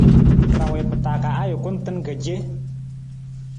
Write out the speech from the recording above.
Ra wii pa taa ka ajukun tan ka ce.